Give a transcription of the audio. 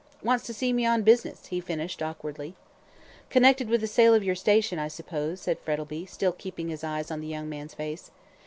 "Wants to see me on business," he finished, awkwardly. "Connected with the sale of your station, I suppose," said Frettlby, still keeping his eyes on the young man's face.